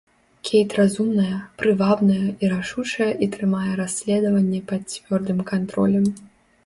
Кейт разумная, прывабная і рашучая і трымае расследаванне пад цвёрдым кантролем.